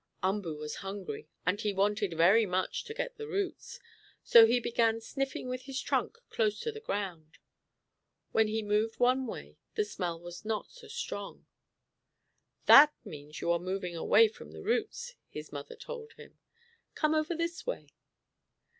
Umboo was hungry and he wanted, very much, to get the roots. So he began sniffing with his trunk close to the ground. When he moved one way the smell was not so strong. "That means you are moving away from the roots," his mother told him. "Come over this way."